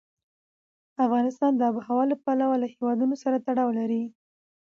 افغانستان د آب وهوا له پلوه له هېوادونو سره تړاو لري.